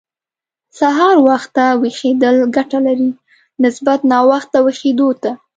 سهار وخته ويښېدل ګټه لري، نسبت ناوخته ويښېدو ته.